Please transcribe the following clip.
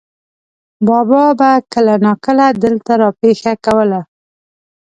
بابا به کله ناکله دلته را پېښه کوله.